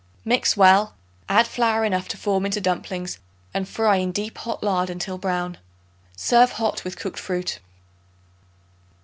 Mix well; add flour enough to form into dumplings and fry in deep hot lard until brown. Serve hot with cooked fruit.